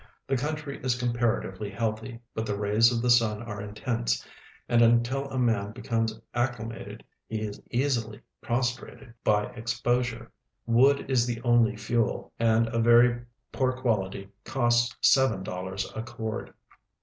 The country is comparatiA'ely healthy, but the rays of the sun are intense, and until a man liecomes acclimated he is easily })rostrated by e.xposure. Wood is the only fuel, and a A'ery poor quality costs seven dollars a cord.